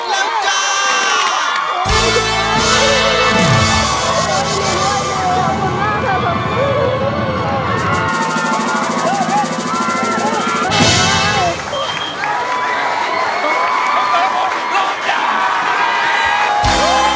ล้อมได้ให้ร้าน